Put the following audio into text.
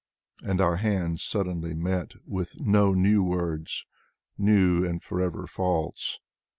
And our hands suddenly met With no new words, new and forever false.